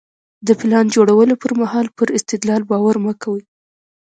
د پلان جوړولو پر مهال پر استدلال باور مه کوئ.